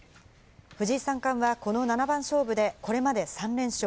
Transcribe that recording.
藤井三冠はこの七番勝負でこれまで３連勝。